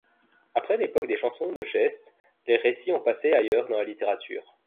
Après l’époque des chansons de geste les récits ont passé ailleurs dans la littérature.